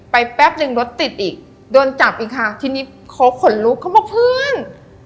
แป๊บนึงรถติดอีกโดนจับอีกค่ะทีนี้เขาขนลุกเขาบอกเพื่อน